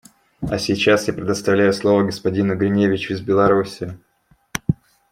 А сейчас я предоставляю слово господину Гриневичу из Беларуси.